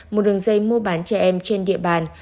một đường dây mua bán trẻ em trên địa bàn